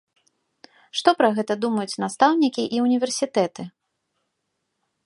Што пра гэта думаюць настаўнікі і ўніверсітэты?